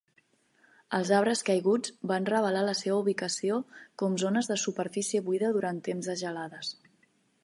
Els arbres caiguts van revelar la seva ubicació com zones de superfície buida durant temps de gelades.